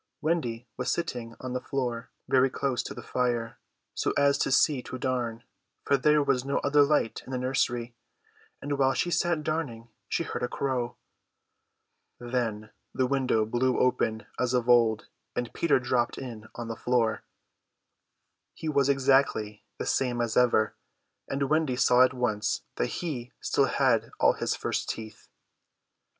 Wendy was sitting on the floor, very close to the fire, so as to see to darn, for there was no other light in the nursery; and while she sat darning she heard a crow. Then the window blew open as of old, and Peter dropped in on the floor. He was exactly the same as ever, and Wendy saw at once that he still had all his first teeth.